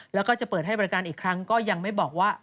แล้วก็จะเปิดให้บริการอีกครั้งก็ยังไม่บอกว่า